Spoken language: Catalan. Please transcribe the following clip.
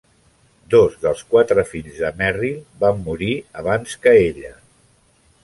Dos dels quatre fills de Merrill van morir abans que ella.